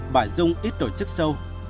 bà dung ít tổ chức sâu